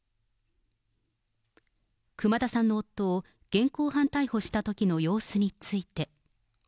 熊田さんの夫を現行犯逮捕したときの様子について。